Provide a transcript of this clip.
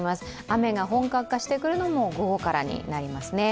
雨が本格化してくるのも午後からになりますね。